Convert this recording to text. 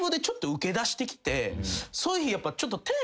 そういう日やっぱちょっと。